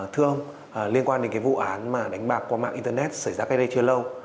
thưa ông liên quan đến vụ án đánh bạc qua mạng internet xảy ra cây đây chưa lâu